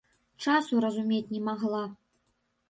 Часу разумець не магла.